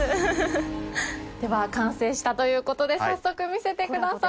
では完成したということで早速、見せてください。